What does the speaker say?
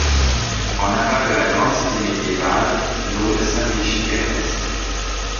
En aval de la grande cité médiévale, l'Aude s'infléchit vers l'est.